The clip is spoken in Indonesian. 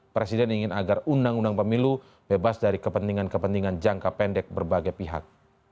presiden ingin agar undang undang pemilu bebas dari kepentingan kepentingan jangka pendek berbagai pihak